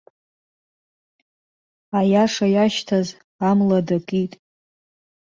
Аиаша иашьҭаз амла дакит.